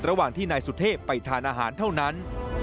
ระหว่างที่นายสุเทพไปทานอาหารเท่านั้น